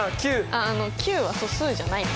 あっあの９は素数じゃないです。